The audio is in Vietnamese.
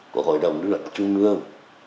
của hội đồng luận trung ương